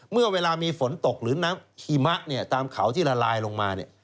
เมื่อเวลามีฝนตกหรือน้ำหิมะเนี่ยตามเขาที่ละลายลงมา